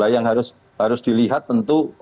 yang harus dilihat tentu